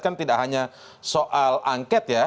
kan tidak hanya soal angket ya